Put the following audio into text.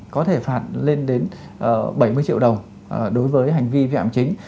có thể phạt lên đến bảy mươi triệu đồng đối với hành vi vi phạm chính